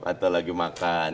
atau lagi makan